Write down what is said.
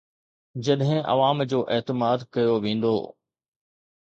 جڏهن عوام جو اعتماد ڪيو ويندو.